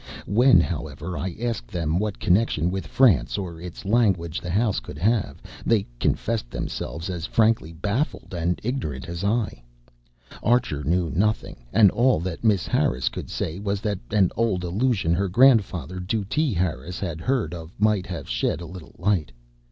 When, however, I asked them what connection with France or its language the house could have, they confessed themselves as frankly baffled and ignorant as I. Archer knew nothing, and all that Miss Harris could say was that an old allusion her grandfather, Dutee Harris, had heard of might have shed a little light.